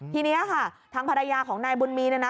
ทีนี้ค่ะทางภรรยาของนายบุญมีเนี่ยนะ